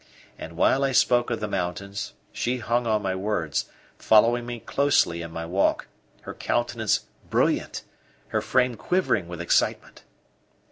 And while I spoke of the mountains, she hung on my words, following me closely in my walk, her countenance brilliant, her frame quivering with excitement.